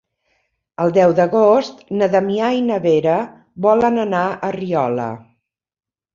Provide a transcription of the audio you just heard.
El deu d'agost na Damià i na Vera volen anar a Riola.